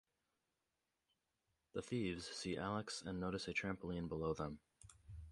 The thieves see Alex and notice a trampoline below them.